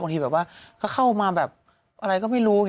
บางทีแบบว่าเค้าเข้ามาแบบอะไรก็ไม่รู้